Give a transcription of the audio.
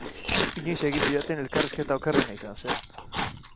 Inoiz egin didaten elkarrizketa okerrena izan zen.